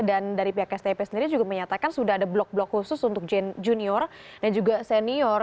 dan dari pihak stip sendiri juga menyatakan sudah ada blok blok khusus untuk junior dan juga senior